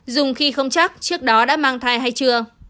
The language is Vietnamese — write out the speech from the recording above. dùng khi không chắc trước đó đã mang thai hay chưa